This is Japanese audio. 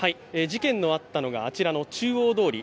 事件のあったのがあちらの中央通り